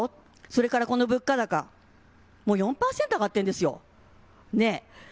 それからこの物価高もう４％上がっているんですよ、ねえ。